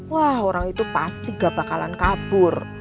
wah orang itu pasti gak bakalan kabur